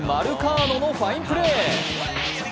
パイレーツ・マルカーノのファインプレー。